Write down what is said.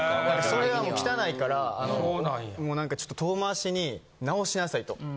それはもう汚いから、なんかちょっと、遠回しに直しなさいと。